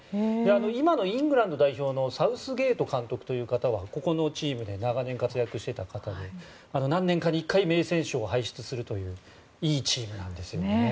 今のイングランド代表のサウスゲート監督という方はここのチームで長年活躍していた方で何年かに１回名選手を輩出するといういいチームなんですよね。